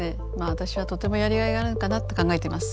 私はとてもやりがいがあるのかなって考えています。